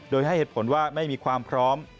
โดยให้เหตุผลว่าไม่มีความพร้อม